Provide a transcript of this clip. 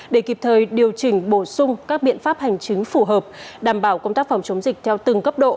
để kịp thời điều chỉnh bổ sung các biện pháp hành chính phù hợp đảm bảo công tác phòng chống dịch theo từng cấp độ